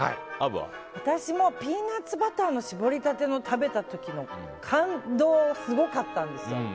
私もピーナッツバターの絞りたてを食べた時の感動がすごかったんですよ。